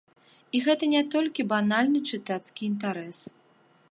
І гэта не толькі банальны чытацкі інтарэс.